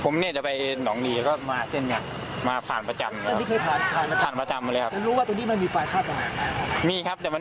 แล้วหนูมาจากไหนจะไปไหน